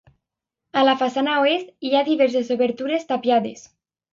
A la façana oest hi ha diverses obertures tapiades.